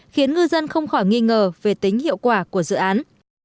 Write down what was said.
khiến ngư dân không khỏi nghi ngờ về tính hiệu quả của dự án